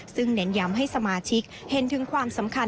ซึ่งเน้นย้ำให้สมาชิกเห็นถึงความสำคัญ